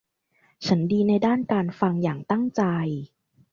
ฉันดีในด้านการฟังอย่างตั้งใจ